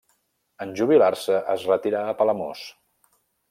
En jubilar-se es retirà a Palamós.